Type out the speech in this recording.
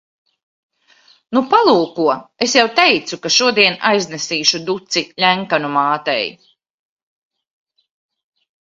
Nu, palūko. Es jau teicu, ka šodien aiznesīšu duci Ļenkanu mātei.